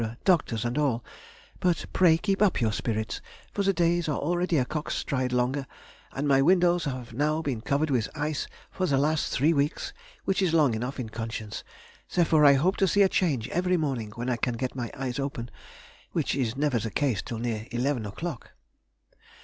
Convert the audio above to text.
doctors and all; but pray keep up your spirits, for the days are already a cock's stride longer, and my windows have now been covered with ice for the last three weeks, which is long enough in conscience; therefore I hope to see a change every morning when I can get my eyes open, which is never the case till near eleven o'clock.